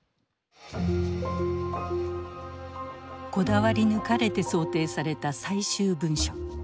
こだわり抜かれて装丁された最終文書。